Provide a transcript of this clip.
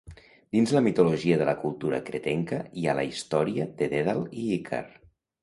Dins la mitologia de la cultura cretenca hi ha la història de Dèdal i Ícar.